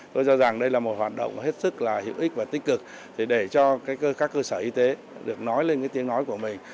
tôi cho rằng đây là một hoạt động hết sức là hữu ích và tích cực để cho các cơ sở y tế được nói lên tiếng nói của mình